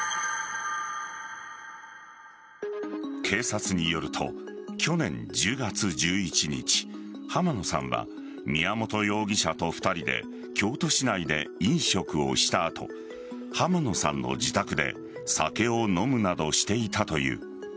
警察によると去年１０月１１日濱野さんは宮本容疑者と２人で京都市内で飲食をした後濱野さんの自宅で酒を飲むなどしていたという。